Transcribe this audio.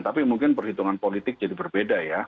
tapi mungkin perhitungan politik jadi berbeda ya